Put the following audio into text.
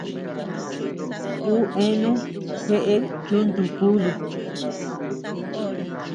Uu eanu jeʼe yuntu kúdu.